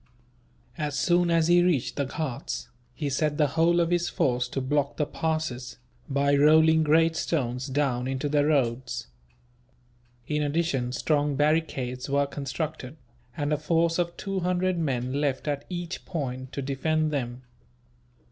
As soon as he reached the Ghauts, he set the whole of his force to block the passes, by rolling great stones down into the roads. In addition, strong barricades were constructed, and a force of two hundred men left, at each point, to defend them.